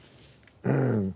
うん。